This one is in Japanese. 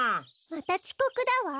またちこくだわ。